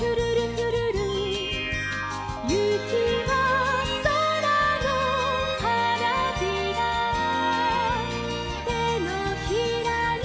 「ゆきはそらのはなびら」「てのひらに」「」